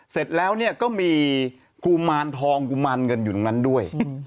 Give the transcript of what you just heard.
เสร็จแล้วก็มีกุมารทองกุมารเงินอยู่ตรงนั้นด้วย